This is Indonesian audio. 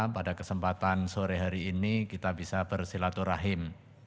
pada kesempatan sore hari ini kita bisa bersilaturahim